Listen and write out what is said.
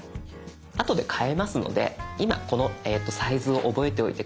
あとで変えますので今このサイズを覚えておいて下さい。